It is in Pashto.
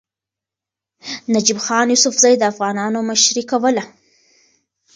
نجیب خان یوسفزي د افغانانو مشري کوله.